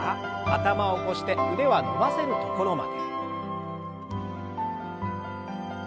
頭を起こして腕は伸ばせるところまで。